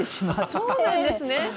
そうなんですね。